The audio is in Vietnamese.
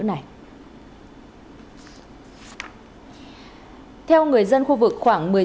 trong hai cháu bé ba tuổi là cháu của người phụ nữ này